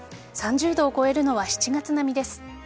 ３０度を超えるのは７月並みです。